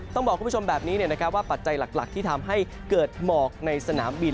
ต้องบอกคุณผู้ชมแบบนี้ว่าปัจจัยหลักที่ทำให้เกิดหมอกในสนามบิน